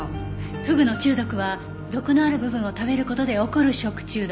フグの中毒は毒のある部分を食べる事で起こる食中毒。